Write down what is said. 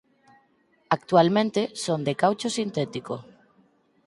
Actualmente son de caucho sintético.